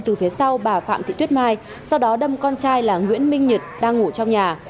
từ phía sau bà phạm thị tuyết mai sau đó đâm con trai là nguyễn minh nhật đang ngủ trong nhà